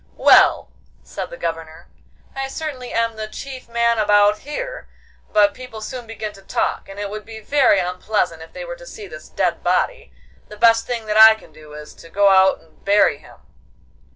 'Well,' said the Governor, 'I certainly am the chief man about here, but people soon begin to talk, and it would be very unpleasant if they were to see this dead body; the best thing that I can do is to go out and bury him.